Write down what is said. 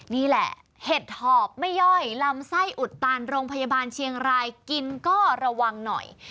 นี่แหละเห็ดหอบไม่ย่อยลำไส้อุดตานโรงพยาบาลเชียงรายกินก็ระวังหน่อย